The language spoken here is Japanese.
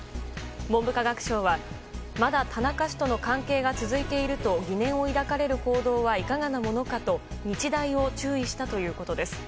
文部科学省は、まだ田中氏との関係が続いていると疑念を抱かれる行動はいかがなものかと日大を注意したということです。